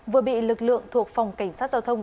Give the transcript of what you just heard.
vừa bị lực lượng thuộc phòng cảnh sát giao thông công an